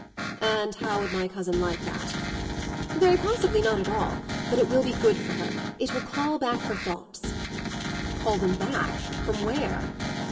"And how would my cousin like that?" "Very possibly not at all. But it will be good for her. It will call back her thoughts." "Call them back from where?"